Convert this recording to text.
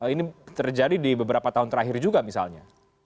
ini terjadi di beberapa tahun terakhir juga misalnya